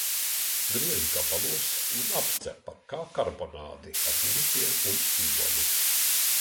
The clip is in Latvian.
Griež gabalos un apcep kā karbonādi ar miltiem un olu.